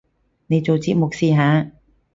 你做節目試下